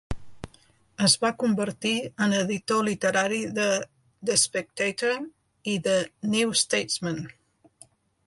Es va convertir en editor literari de "The Spectator" i de "New Statesman".